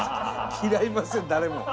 嫌いません誰も。